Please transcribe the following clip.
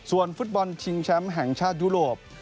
ส่วนฟุตบอลชิงแชมป์แห่งชาติยุโรป